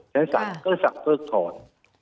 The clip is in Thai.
เพราะฉะนั้นศักดิ์ของเขาทอด